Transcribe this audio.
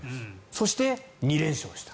そして、２連勝した。